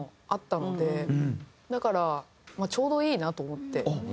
だからちょうどいいなと思って。